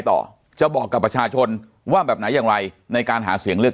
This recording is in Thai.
ต่อจะบอกกับประชาชนว่าแบบไหนอย่างไรในการหาเสียงเลือก